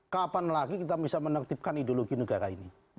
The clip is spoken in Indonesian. kapan lagi kita bisa menertibkan ideologi negara ini